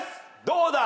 どうだ？